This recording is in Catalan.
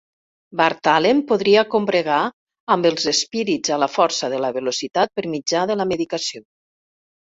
Bart Allen podria combregar amb els esperits a la Força de la Velocitat per mitjà de la medicació.